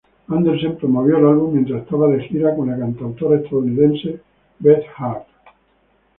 Anderssen promovió el álbum mientras estaba de gira con la cantautora estadounidense, Beth Hart.